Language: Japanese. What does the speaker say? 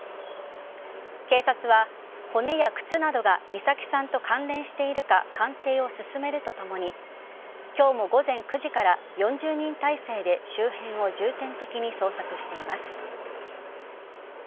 警察は骨や靴などが美咲さんと関連しているか鑑定を進めるとともに今日も午前９時から４０人態勢で周辺を重点的に捜索しています。